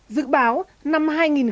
dự báo năm hai nghìn hai mươi